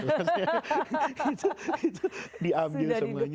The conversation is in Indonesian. itu diambil semuanya